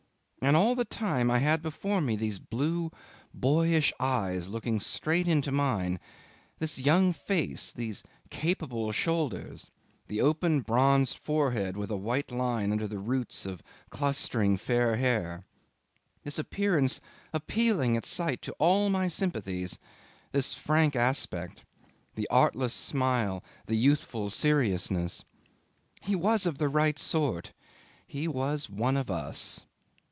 And all the time I had before me these blue, boyish eyes looking straight into mine, this young face, these capable shoulders, the open bronzed forehead with a white line under the roots of clustering fair hair, this appearance appealing at sight to all my sympathies: this frank aspect, the artless smile, the youthful seriousness. He was of the right sort; he was one of us.